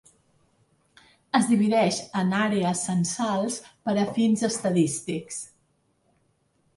Es divideix en àrees censals per a fins estadístics.